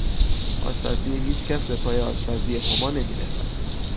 آشپزی هیچ کس به پای آشپزی هما نمیرسد.